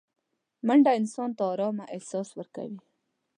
منډه انسان ته ارامه احساس ورکوي